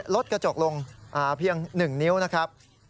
รถกระจกลงเพียงหนึ่งนิ้วนะครับ